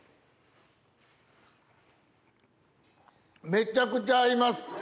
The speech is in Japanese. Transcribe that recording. めちゃくちゃ合います。